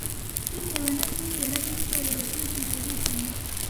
bitewe n’abizera b’itorero batigeze bihana,